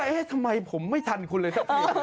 เฮ้ทำไมผมไม่ทันคุณเลย